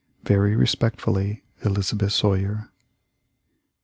"Very respectfully, "Elizabeth Sawyer."